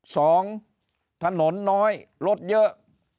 สองถนนน้อยรถเยอะ